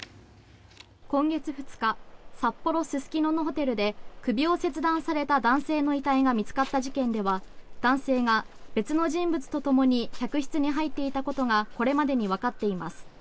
今月２日札幌・すすきののホテルで首を切断された男性の遺体が見つかった事件では男性が別の人物とともに客室に入っていたことがこれまでにわかっています。